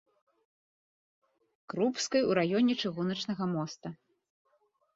Крупскай у раёне чыгуначнага моста.